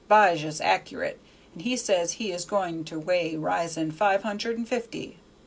'Bijah's accurate, and he says he is goin' to weigh risin' five hundred and fifty.